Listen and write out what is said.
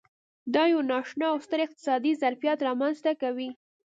دا یو نا اشنا او ستر اقتصادي ظرفیت رامنځته کوي.